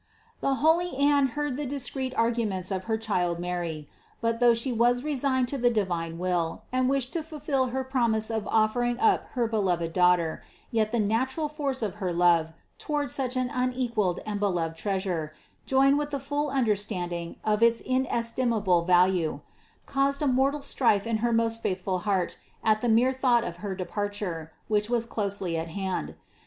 406. The holy Anne heard the discreet arguments of her child Mary; but, though She was resigned to the divine will and wished to fulfill her promise of offering up her beloved Daughter, yet the natural force of her love toward such an unequalled and beloved Treasure, joined with the full understanding of its inestimable value, caused a mortal strife in her most faithful heart at the mere thought of her departure, which was closely at hand.